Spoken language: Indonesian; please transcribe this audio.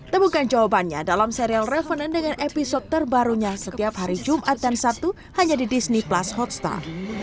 temukan jawabannya dalam serial revenant dengan episode terbarunya setiap hari jumat dan sabtu hanya di disney plus hotstar